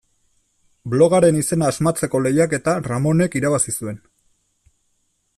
Blogaren izena asmatzeko lehiaketa Ramonek irabazi zuen.